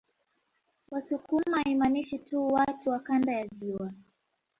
Wasukuma haimaanishi tu watu wa kanda ya ziwa